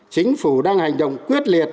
chính phủ đang hành động quyết liệt